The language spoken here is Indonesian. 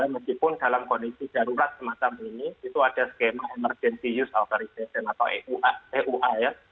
meskipun dalam kondisi darurat semacam ini itu ada skema emergency use authorization atau eua ya